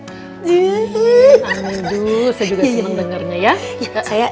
amin bu saya juga seneng dengarnya ya